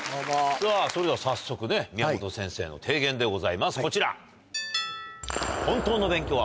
さぁそれでは早速ね宮本先生の提言でございますこちら。